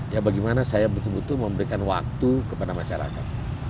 ya bagaimana saya butuh butuh memberikan waktu kepada masyarakat